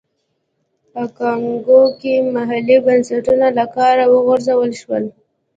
په کانګو کې محلي بنسټونه له کاره وغورځول شول.